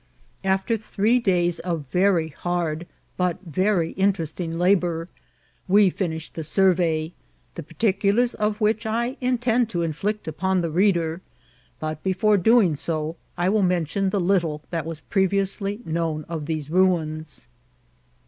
After three days of very hard but very interesting la bour, we finished the survey, the particulars of which I intend to inflict upon the reader ; but before doing so ACCOUNT OF THE BITIN8. 131 I Will menticm the little tint was previously known of these ruins.